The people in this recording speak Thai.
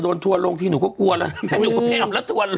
โดยสะแพศมา